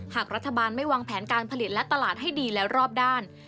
หากรัฐบาลไม่วางแผนการผลิตและตลาดให้ดีและรอบด้าน